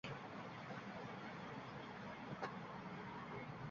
Bazalarni ikkinchi darajali bazalar bilan mutanosiblikda ishlatish haqida o’ylashadi